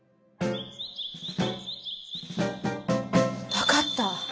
分かった！